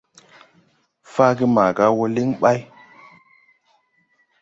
Faage maga wɔ liŋ ɓay.